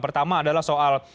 pertama adalah soal